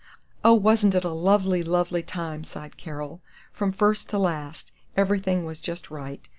"Oh, wasn't it a lovely, lovely time," sighed Carol. "From first to last, everything was just right.